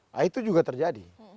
nah itu juga terjadi